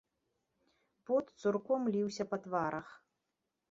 Пот цурком ліўся па тварах.